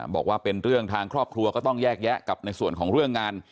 บอกว่าเป็นเรื่องทางครอบครัวก็ต้องแยกแยะกับในส่วนของเรื่องงาน